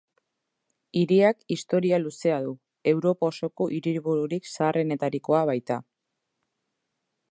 Hiriak historia luzea du, Europa osoko hiribururik zaharrenetarikoa baita.